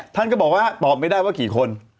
ท่านก็บอกว่าตอบไม่ได้ว่ากี่คน